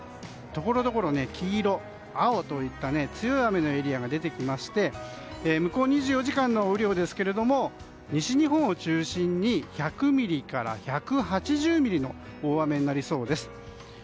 ところどころ黄色、青といった強い雨のエリアが出てきまして向こう２４時間の雨量ですが西日本を中心に１００ミリから１８０ミリの大雨になりそうです。